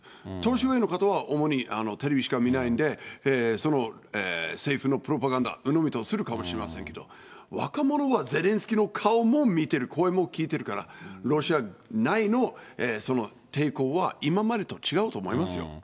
年寄りの方は主にテレビしか見ないんで、政府のプロパガンダをうのみにするかもしれませんけど、若者はゼレンスキーの顔も見てる、声も聞いてるから、ロシア内のその抵抗は今までと違うと思いますよ。